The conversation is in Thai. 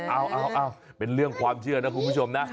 เอาเป็นเรื่องความเชื่อนะคุณผู้ชมนะ